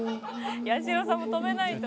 「八代さんも止めないと」